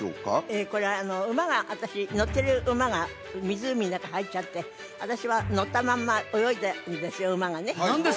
ええこれ私乗ってるウマが湖の中入っちゃって私は乗ったまんま泳いだんですよ